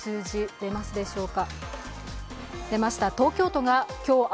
出ますでしょうか。